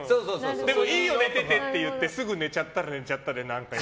いいよ寝ててって言ってすぐ寝ちゃったら寝ちゃったで。